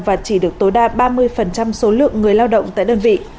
và chỉ được tối đa ba mươi số lượng người lao động tại đơn vị